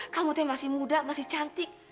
kamu tuh yang masih muda masih cantik